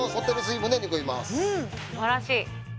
うんすばらしい。